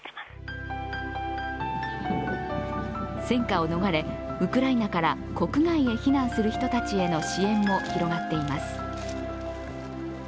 戦火を逃れ、ウクライナから国外へ避難する人たちへの支援も広がっています。